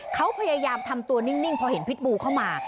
เขาพยายามทำตัวนิ่งพอเห็นพิษบูเข้ามา